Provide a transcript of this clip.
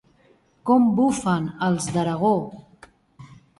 Com bufen els d'Aragó!